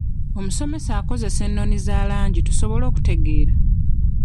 Omusomesa akozesa ennoni eza langi tusobole okutegeera.